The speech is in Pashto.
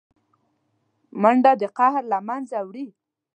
منډه د قهر له منځه وړي